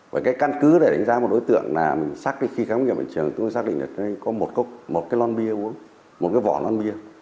với cái căn cứ để đánh giá một đối tượng là khi khám nghiệm bệnh trường tôi xác định là có một cái lon bia uống một cái vỏ lon bia